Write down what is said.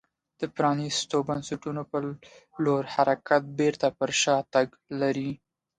د پرانیستو بنسټونو په لور حرکت بېرته پر شا تګ لري.